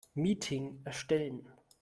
Meeting erstellen.